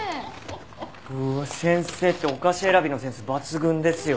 うわ先生ってお菓子選びのセンス抜群ですよね。